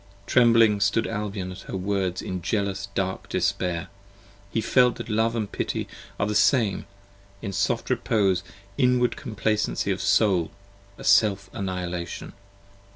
Trembling stood Albion at her words in jealous dark despair, He felt that Love and Pity are the same; a soft repose: 15 Inward complacency of Soul: a Self annihilation.